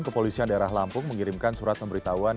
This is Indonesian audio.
kepolisian daerah lampung mengirimkan surat pemberitahuan